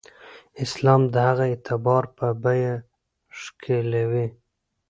اسلام د هغه اعتبار په بیه ښکېلوي.